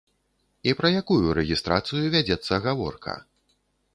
І пра якую рэгістрацыю вядзецца гаворка?